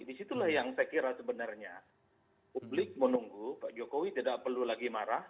disitulah yang saya kira sebenarnya publik menunggu pak jokowi tidak perlu lagi marah